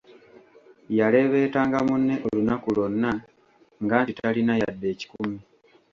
Yaleebeetanga munne olunaku lwonna ng'anti talina yadde ekikumi.